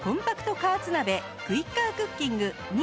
加圧鍋クイッカークッキング２．５